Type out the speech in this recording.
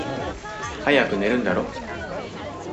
早く寝るんだろ？